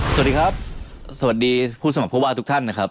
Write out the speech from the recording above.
สวัสดีครับสวัสดีผู้สมัครผู้ว่าทุกท่านนะครับ